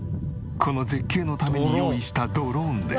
この絶景のために用意したドローンで。